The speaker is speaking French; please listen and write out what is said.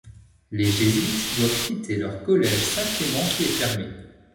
Les jésuites doivent quitter leur collège Saint-Clément qui est fermé.